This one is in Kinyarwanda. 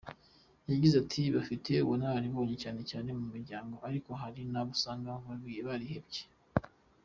Yagize ati “Bafite ubunararibonye cyane cyane mu miryango, ariko hari abo usanga barihebye.